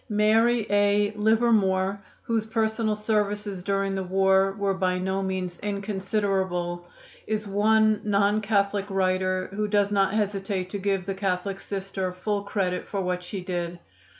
Mary A. Livermore, whose personal services during the war were by no means inconsiderable, is one non Catholic writer who does not hesitate to give the Catholic Sister full credit for what she did.